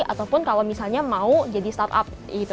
ataupun kalau misalnya mau jadi startup gitu